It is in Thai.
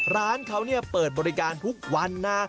ร้านเขาเปิดบริการทุกวันนะ